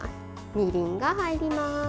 みりんが入ります。